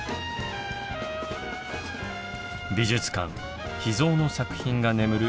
美術館秘蔵の作品が眠る